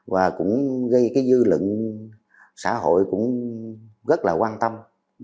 và cũng gây cái dư lượng xã hội cũng rất là quan tâm